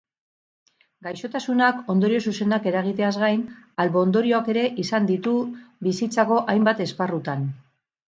Gaixotasunak ondorio zuzenak eragiteaz gain, albo-ondorioak ere izan ditu bizitzako hainbat esparrutan.